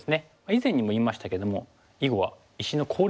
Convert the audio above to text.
以前にも言いましたけども囲碁は石の効率